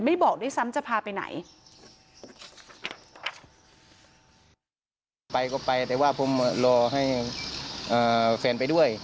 ไม่บอกได้ซ้ำจะพาไปไหน